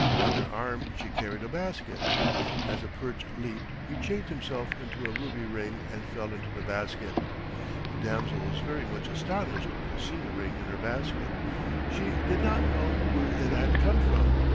On her arm she carried a basket. As the perch leaped he changed himself into a ruby ring and fell into the basket. The damsel was very much astonished to see the ring in her basket. She did not know where it had come from.